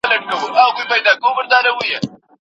زه به دا ناڅاپي لیدنه د خپل ژوند په کتاب کې په نښه کړم.